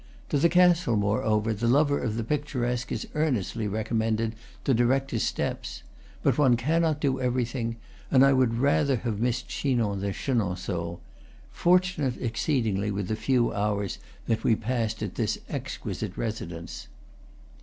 To the castle, moreover, the lover of the picturesque is earnestly recommended to direct his steps. But one cannot do everything, and I would rather have missed Chinon than Chenonceaux. For tunate exceedingly were the few hours that we passed at this exquisite residence.